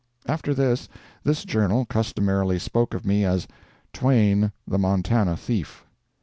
[After this, this journal customarily spoke of me as "Twain, the Montana Thief."